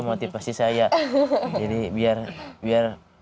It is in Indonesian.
motivasi saya jadi biar